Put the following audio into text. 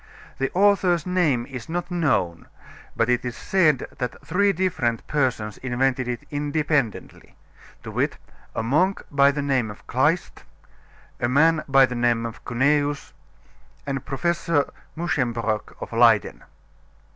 The author's name is not known, but it is said that three different persons invented it independently, to wit, a monk by the name of Kleist, a man by the name of Cuneus, and Professor Muschenbroeck of Leyden.